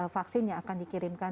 vaksin yang akan dikirimkan